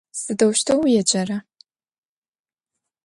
Сыдэущтэу уеджэра?